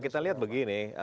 kita lihat begini